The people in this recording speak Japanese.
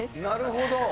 なるほど。